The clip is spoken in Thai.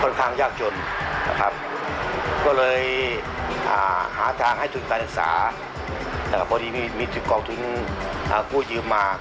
ยาท่าน้ำขาวไทยนครเพราะทุกการเดินทางของคุณจะมีแต่รอยยิ้ม